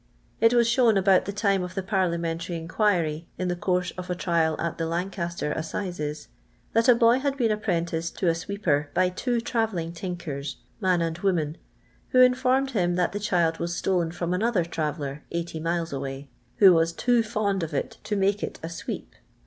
It wa't shown about the time of the Parliamentary inquif}', in the course (»f a trial at tiic Lancaster assi/es, that a boy had been apprenticed to a sweejwr by two travelling tinkers, mnn and woman, who informed him that the child was stolen from another *' traveller," SO miles away, who was " too fond of it to make it a sweep.'